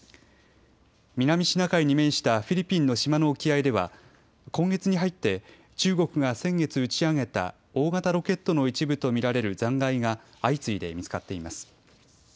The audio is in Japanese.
南シナ海に面したフィリピンの島の沖合では今月に入って中国が先月、打ち上げた大型ロケットの一部と見られる残骸が相次いで見つかっています。